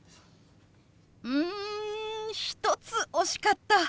うん１つ惜しかった！